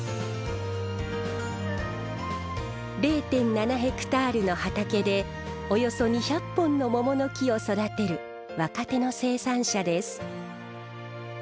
０．７ヘクタールの畑でおよそ２００本の桃の木を育てる若手の生産者です。